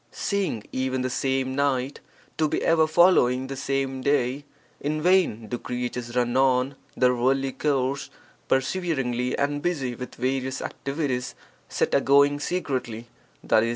Seeing even the same night to be ever following the same day, in vain do creatures run on (their worldly course) perseveringly and busy with various activities set agoing secretly, i.e.